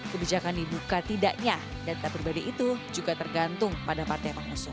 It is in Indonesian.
kebijakan dibuka tidaknya data pribadi itu juga tergantung pada partai pengusung